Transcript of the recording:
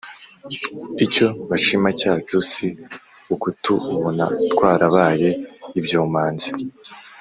icyo bashima cyacu, si ukutubona twarabaye ibyomanzi: